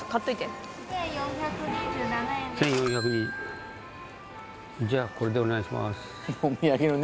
１４２０じゃこれでお願いします